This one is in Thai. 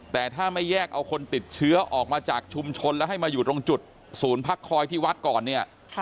แต่ถ้าไม่แยกเอาคนติดเชื้อออกมาจากชุมชนแล้วให้มาอยู่ตรงจุดศูนย์พักคอยที่วัดก่อนเนี่ย